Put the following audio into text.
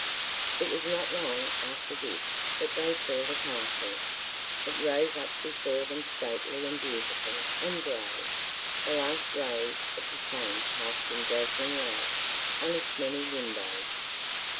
It was not long after this that they saw the castle. It rose up before them stately and beautiful and gray, the last rays of the sun casting dazzling lights on its many windows.